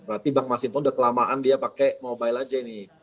berarti bang mas hinton udah kelamaan dia pakai mobile aja ini